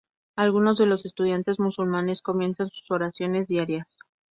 Algunos de los estudiantes musulmanes comienzan sus oraciones diarias.